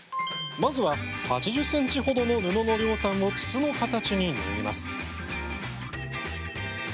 まずは、８０ｃｍほどの布の両端を筒の形に縫います。